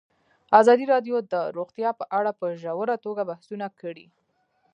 ازادي راډیو د روغتیا په اړه په ژوره توګه بحثونه کړي.